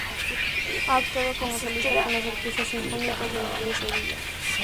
Ha actuado como solista con las Orquestas Sinfónicas de Bilbao y Sevilla.